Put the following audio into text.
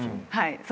はい。